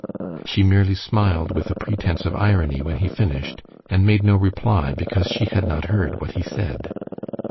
She merely smiled with a pretense of irony when he finished, and made no reply, because she had not heard what he said.